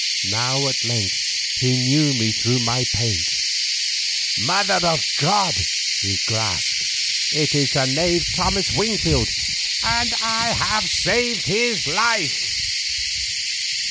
Now at length he knew me through my paint. "Mother of God!" he gasped, "it is that knave Thomas Wingfield, _and I have saved his life!